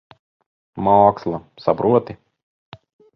Māksla. Saproti?